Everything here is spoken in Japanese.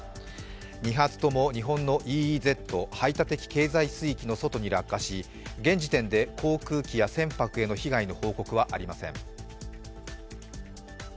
２発とも日本のＥＥＺ＝排他的経済水域の外に落下し現時点で航空機や船舶への被害の報告はありません。